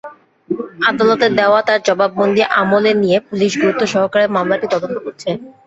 আদালতে দেওয়া তাঁর জবানবন্দি আমলে নিয়ে পুলিশ গুরুত্বসহকারে মামলাটি তদন্ত করছে।